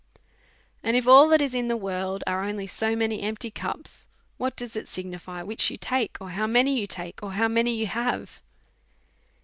And if all that is in the world are only so many empty cups, what does it signify which you take, or how many you take, or how many you have